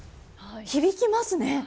響きますね。